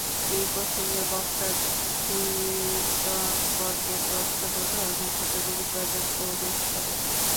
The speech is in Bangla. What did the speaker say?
এই প্রসঙ্গে বক্তা সুইডনবর্গের দর্শন ও ধর্মের মধ্যে গভীরভাবে প্রবেশ করেন।